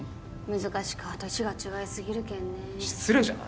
難しか年が違いすぎるけんね失礼じゃない？